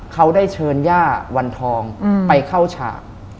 เขาได้เชิญย่าวันทองไปเข้าฉาก